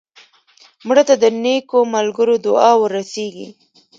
مړه ته د نیکو ملګرو دعا ورسېږي